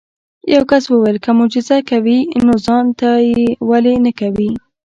یو کس وویل که معجزه کوي نو ځان ته یې ولې نه کوې.